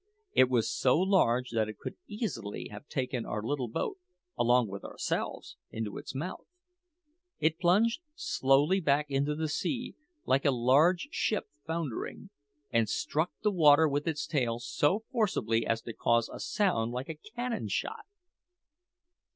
It was so large that it could easily have taken our little boat, along with ourselves, into its mouth! It plunged slowly back into the sea, like a large ship foundering, and struck the water with its tail so forcibly as to cause a sound like a cannon shot.